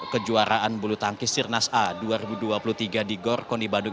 kejuaraan bulu tangkis sirnas a dua ribu dua puluh tiga di gor kondi bandung